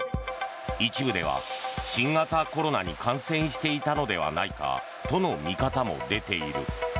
一部では新型コロナに感染していたのではないかとの見方も出ている。